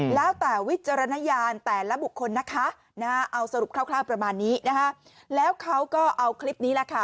แล้วแต่วิจารณญาณแต่ละบุคคลนะคะเอาสรุปคร่าวประมาณนี้นะคะแล้วเขาก็เอาคลิปนี้แหละค่ะ